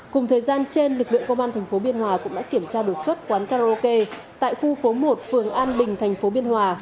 cùng thời gian trên lực lượng công an tp biên hòa cũng đã kiểm tra đột xuất quán karaoke tại khu phố một phường an bình thành phố biên hòa